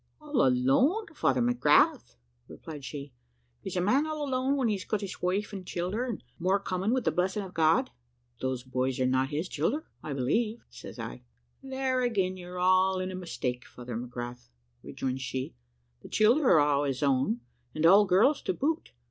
"`All alone, Father McGrath!' replied she: `is a man all alone when he's got his wife and childer, and more coming, with the blessing of God?' "`But those boys are not his own childer, I believe,' says I. "`There again you're all in a mistake, Father McGrath,' rejoins she. `The childer are all his own, and all girls to boot.